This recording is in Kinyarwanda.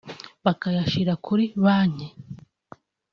bakayashyira kuri Banki